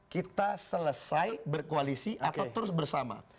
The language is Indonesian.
kita selesai berkoalisi atau terus bersama